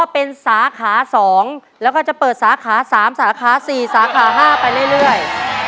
เป็นสาขา๒แล้วก็จะเปิดสาขา๓สาขา๔สาขา๕ไปเรื่อย